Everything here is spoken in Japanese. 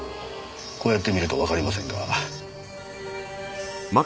こうやってみるとわかりませんが。